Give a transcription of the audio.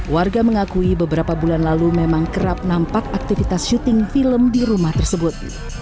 warga mengakui beberapa bulan lalu memang kerap nampak aktivitas syuting film di rumah tersebut